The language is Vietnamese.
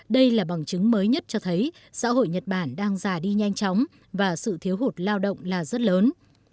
đây là bằng chứng mới nhất cho thấy xã hội nhật bản đang già đi nhanh chóng và sự thiếu hụt lao động là rất lớn